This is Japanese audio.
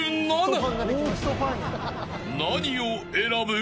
［何を選ぶ？］